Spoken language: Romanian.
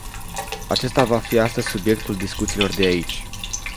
Acesta va fi astăzi subiectul discuțiilor de aici.